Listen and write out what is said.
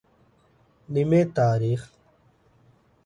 ނިމޭ ތާރީޚު